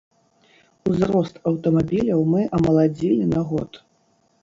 Узрост аўтамабіляў мы амаладзілі на год.